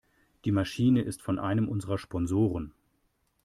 Die Maschine ist von einem unserer Sponsoren.